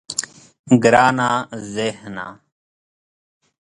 گرانه ذهنه.